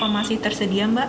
masih tersedia mbak